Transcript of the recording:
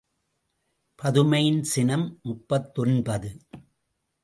பதுமையின் சினம் முப்பத்தொன்பது.